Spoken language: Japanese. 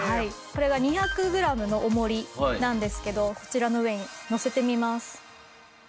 これが２００グラムの重りなんですけどこちらの上にのせてみます。